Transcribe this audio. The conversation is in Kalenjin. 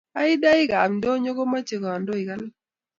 Aidaika ab ndonyo komache kandoik alak